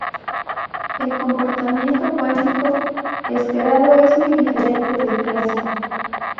El comportamiento cuántico esperado es muy diferente del clásico.